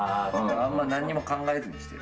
あんまり何も考えずにしてる。